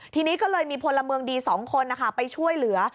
ทีนี้ก็เลยมีพลเมืองดี๒คนไปช่วยเหลือ